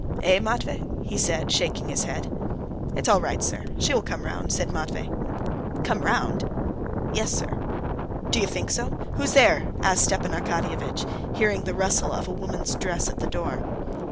"Eh, Matvey?" he said, shaking his head. "It's all right, sir; she will come round," said Matvey. "Come round?" "Yes, sir." "Do you think so? Who's there?" asked Stepan Arkadyevitch, hearing the rustle of a woman's dress at the door.